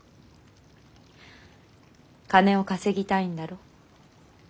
金を稼ぎたいんだろ？